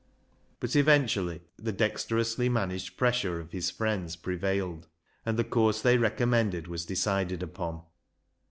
But eventually the dexterously managed pressure of his friends prevailed, and the course they recommended was decided upon.